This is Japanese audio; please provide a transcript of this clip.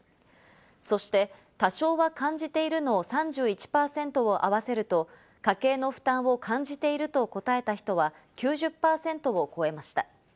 そして多少は感じているの３１％を合わせると、家計の負担を感じていると答えた人は９０％を超えました。